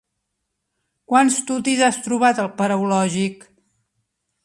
Quants tutis has trobat al paraulògic?